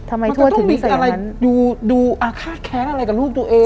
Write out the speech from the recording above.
ทำไมทวดถึงนิสัยอย่างงั้นมันก็ต้องมีอะไรดูดูอาฆาตแค้นอะไรกับลูกตัวเอง